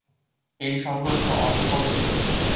এই সংঘর্ষ অসফল ছিল।